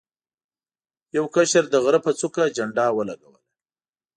یو کشر د غره په څوکه جنډه ولګوله.